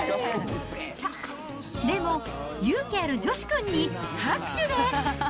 でも、勇気あるジョシュ君に拍手です。